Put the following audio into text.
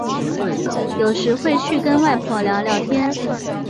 有空时会去跟外婆聊聊天